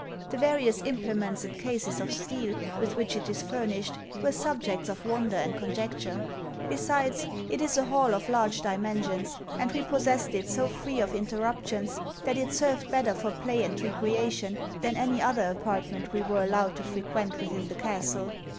The various implements and cases of steel with which it is furnished, were subjects of wonder and conjecture; besides, it is a hall of large dimensions, and we possessed it so free of interruptions, that it served better for play and recreation than any other apartment we were allowed to frequent within the castle.